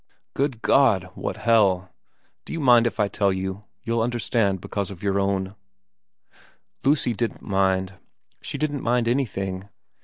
Good God, what hell ! Do you mind if I tell you ? You'll understand because of your own Lucy didn't mind. She didn't mind anything.